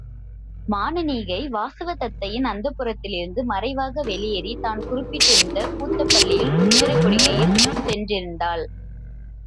மானனீகை வாசவதத்தையின் அந்தப்புரத்திலிருந்து மறைவாக வெளியேறித் தான் குறிப்பிட்டிருந்த கூத்தப்பள்ளியில் குச்சரக் குடிகையுள் சென்று இருந்தாள்.